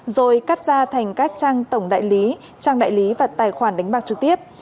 rồi cắt ra thành các trang tổng đại lý trang đại lý và tài khoản đánh bạc trực tiếp